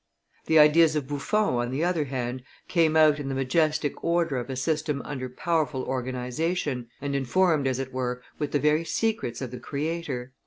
The ideas of Buffon, on the other hand, came out in the majestic order of a system under powerful organization, and informed as it were with the very secrets of the Creator.